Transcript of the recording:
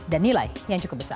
dan nilai yang cukup besar